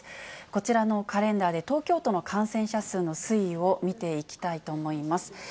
こちらのカレンダーで東京都の感染者数の推移を見ていきたいと思います。